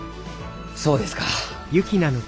そうですか。